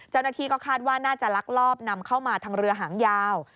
เจ้าหน้าที่ก็คาดว่าน่าจะลักลอบนำเข้ามาทางเรือหางยาว